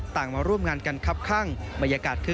ต่างมาร่วมงานกันคับข้างมายากาศคึกคัก